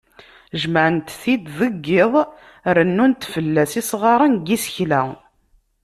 Jemεent-t-id deg yiḍ, rennunt fell-as isγaren n yisekla.